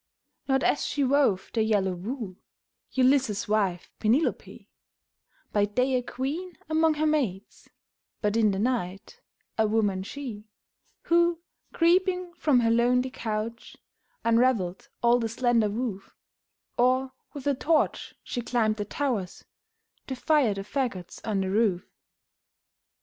Not as she wove the yellow wool, Ulysses' wife, Penelope; By day a queen among her maids, But in the night a woman, she, Who, creeping from her lonely couch, Unraveled all the slender woof; Or, with a torch, she climbed the towers, To fire the fagots on the roof!